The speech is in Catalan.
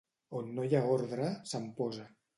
On no hi ha ordre, se'n posa.